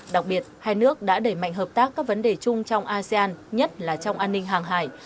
đặc biệt hai nước đã đẩy mạnh hợp tác các vấn đề chung trong asean nhất là trong an ninh hàng hải